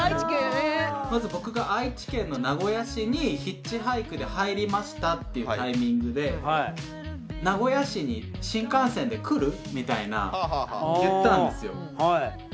まず僕が愛知県の名古屋市にヒッチハイクで入りましたっていうタイミングでみたいな言ったんですよ。